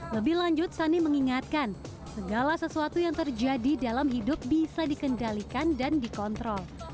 lebih lanjut sani mengingatkan segala sesuatu yang terjadi dalam hidup bisa dikendalikan dan dikontrol